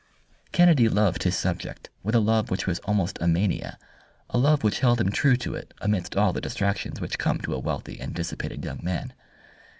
Kennedy loved his subject with a love which was almost a mania a love which held him true to it, amidst all the distractions which come to a wealthy and dissipated young man.